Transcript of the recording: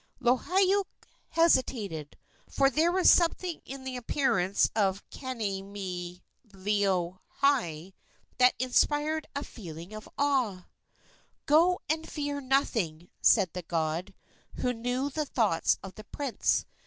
Lohiau hesitated, for there was something in the appearance of Kanemilohai that inspired a feeling of awe. "Go, and fear nothing," said the god, who knew the thoughts of the prince.